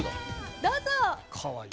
どうぞ！